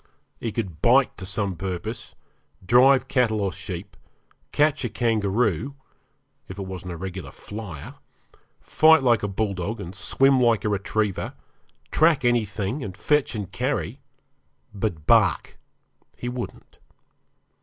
He could bite to some purpose, drive cattle or sheep, catch a kangaroo, if it wasn't a regular flyer, fight like a bulldog, and swim like a retriever, track anything, and fetch and carry, but bark he wouldn't.